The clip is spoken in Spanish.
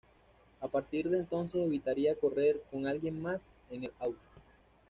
A partir de entonces evitaría correr con alguien más en el auto.